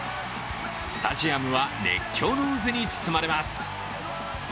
スタジアムは熱狂の渦に包まれます。